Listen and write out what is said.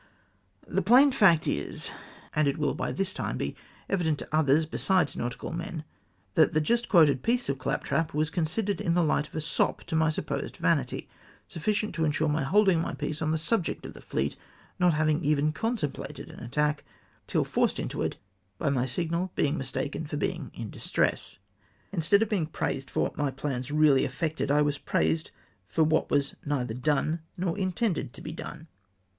The plain fact is, and it will by this time be evident to others besides nautical men, that the just quoted piece of claptrap was considered in the hght of a sop to my supposed vanity, sufficient to insure my holding my peace on the subject of the fleet not having even contemplated an attack till forced mto it by my signal being mistaken for being " in distress." Instead of being praised for what my plans really effected, I was praised for what was neither done nor intended to be done.